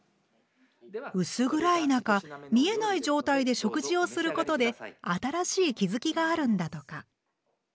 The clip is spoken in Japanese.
薄暗い中見えない状態で食事をすることで新しい気付きがあるんだとか。